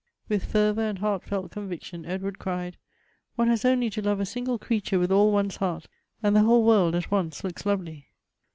"^ With fervor and heartfelt conviction, Edward cried, " One has only to love a single creature with all one's heart, and the whole world at once looks lovely